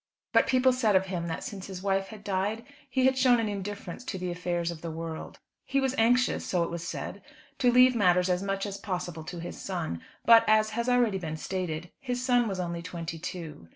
But people said of him that since his wife had died he had shown an indifference to the affairs of the world. He was anxious so it was said to leave matters as much as possible to his son; but, as has been already stated, his son was only twenty two.